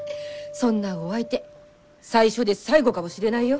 そんなお相手最初で最後かもしれないよ。